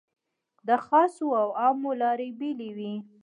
د خاصو او عامو لارې بېلې وې.